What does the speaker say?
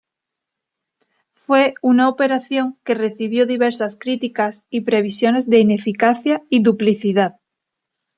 Fue una operación que recibió diversas críticas y previsiones de ineficacia y duplicidad.